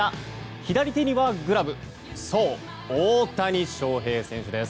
左手にはグラブそう、大谷翔平選手です。